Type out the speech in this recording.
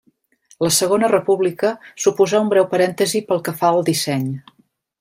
La Segona República suposà un breu parèntesi pel que fa al disseny.